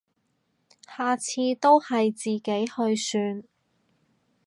下次都係自己去算